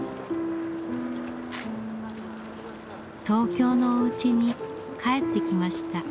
東京のおうちに帰ってきました。